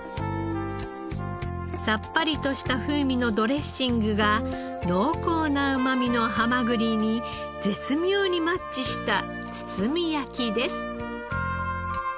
さっぱりとした風味のドレッシングが濃厚なうまみのハマグリに絶妙にマッチした包み焼きです。